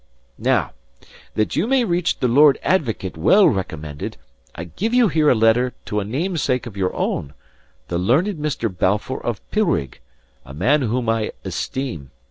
Now, that you may reach the Lord Advocate well recommended, I give you here a letter to a namesake of your own, the learned Mr. Balfour of Pilrig, a man whom I esteem.